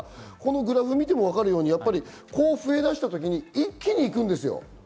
グラフを見ても分かるように、増えだした時に一気に増えるんですよ。